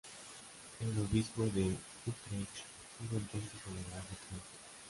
El obispo de Utrech pudo entonces celebrar su triunfo.